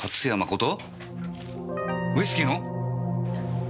ウイスキーの？